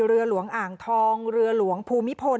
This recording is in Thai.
เรือหลวงอ่างทองเรือหลวงภูมิพล